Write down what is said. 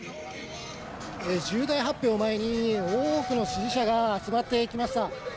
重大発表を前に多くの支持者が集まってきました。